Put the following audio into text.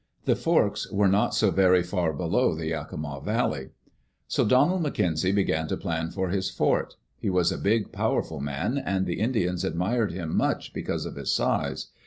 The Forks were not so very far below the Yakima Valley. So Donald McKenzie began to plan for his fort. He was a big, powerful man, and the Indians admired hint •much because of his size.